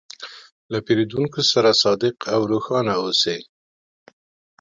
له پیرودونکي سره صادق او روښانه اوسې.